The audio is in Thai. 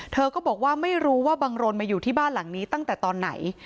เธอก็บอกว่าไม่รู้ว่าบังรนมาอยู่ที่บ้านหลังนี้ตั้งแต่ตอนไหน